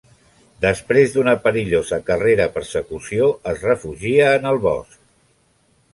Després d'una perillosa carrera-persecució, es refugia en el bosc.